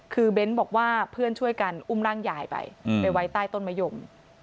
คือเบ้นบอกว่าเพื่อนช่วยกันอุ้มร่างยายไปไปไว้ใต้ต้นมะยม